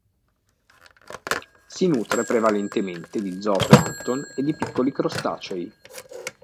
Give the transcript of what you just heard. Si nutre prevalentemente di zooplancton e di piccoli crostacei.